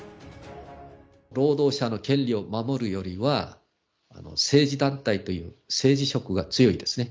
労働者の権利を守るよりは、政治団体という、政治色が強いですね。